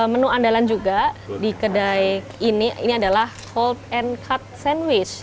menu andalan juga di kedai ini ini adalah hold and cut sandwich